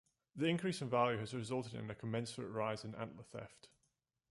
The increase in value has resulted in a commensurate rise in antler theft.